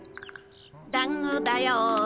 だんごだよ。